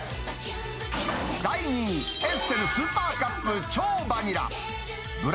第２位、エッセルスーパーカップ超バニラ。